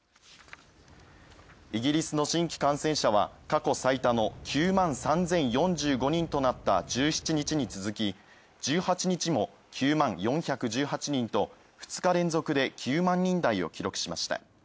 イギリスの新規感染者は過去最多の９万３０４５人となった１７日に続き１８日も９万４１８人と２日連続で９万人台を記録しました。